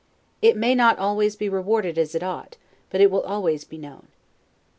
It may not always be rewarded as it ought, but it will always be known.